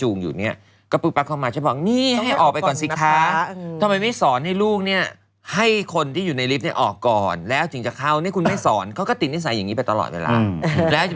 เหมือนเขาไม่ถือว่าทินในได้จะต้องเข้าต้องเข้าอะไรก็แล้วแต่